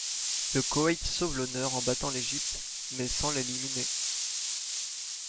Le Koweït sauve l'honneur en battant l'Égypte, mais sans l'éliminer.